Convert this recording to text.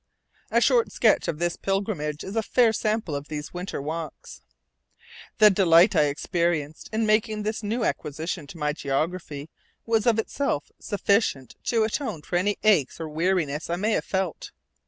A short sketch of this pilgrimage is a fair sample of these winter walks. The delight I experienced in making this new acquisition to my geography was of itself sufficient to atone for any aches or weariness I may have felt.